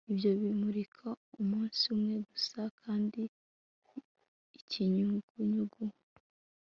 Ibyo bimurika umunsi umwe gusa kandi ikinyugunyugu